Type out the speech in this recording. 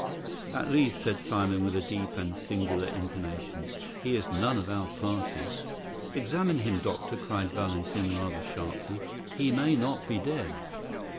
"At least," said Simon, with a deep and singular intonation, "he is none of our party." "Examine him, doctor," cried Valentin rather sharply. "He may not be dead."